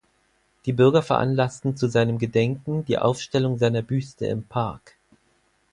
Die Bürger veranlassten zu seinem Gedenken die Aufstellung seiner Büste im Park.